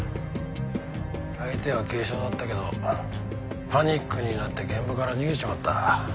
相手は軽傷だったけどパニックになって現場から逃げちまった。